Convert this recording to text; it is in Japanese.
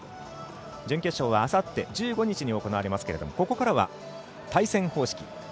準決勝はあさって１５日に行われますけれどもここからは対戦方式。